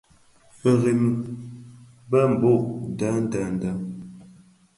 Firemi, bëbhog a jinjin.